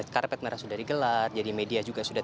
karpet merah sudah digelar jadi media juga sudah